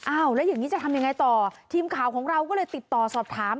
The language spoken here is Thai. แล้วอย่างนี้จะทำยังไงต่อทีมข่าวของเราก็เลยติดต่อสอบถาม